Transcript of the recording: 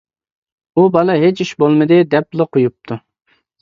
ئۇ بالا ھېچ ئىش بولمىدى دەپلا قويۇپتۇ.